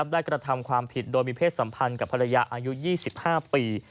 กระทำความผิดโดยมีเพศสัมพันธ์กับภรรยาอายุ๒๕ปี